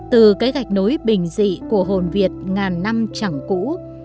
từ cái gạch nối bình dị của hồn việt ngàn năm chẳng cũ